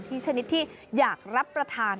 ชนิดที่อยากรับประทาน